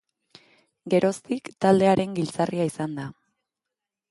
Geroztik taldearen giltzarria izan da.